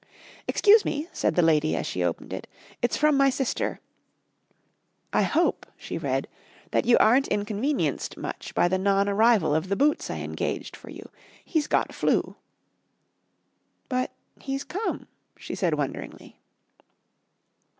"Excuse me," said the lady as she opened it, "it's from my sister. 'I hope,' she read, 'that you aren't inconvenienced much by the non arrival of the Boots I engaged for you. He's got "flu."' But he's come," she said wonderingly.